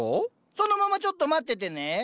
そのままちょっと待っててね。